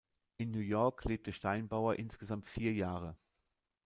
In New York lebte Steinbauer insgesamt vier Jahre.